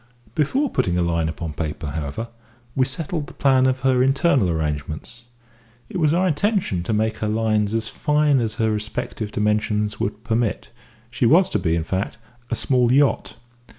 Before putting a line upon paper, however, we settled the plan of her internal arrangements. It was our intention to make her lines as fine as her respective dimensions would permit; she was to be, in fact, a small yacht.